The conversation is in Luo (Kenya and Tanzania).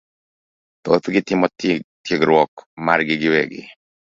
Thothgi timo tiegruok margi giwegi